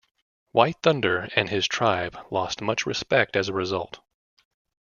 White Thunder and his tribe lost much respect as a result.